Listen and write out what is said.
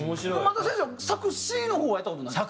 まだ先生は作詞の方はやった事ない？